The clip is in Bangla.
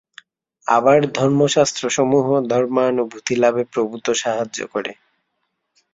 আবার ধর্মশাস্ত্রসমূহ ধর্মানুভূতিলাভে প্রভূত সাহায্য করে।